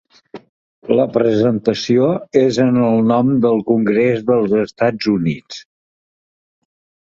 La presentació és en el nom del Congrés dels Estats Units.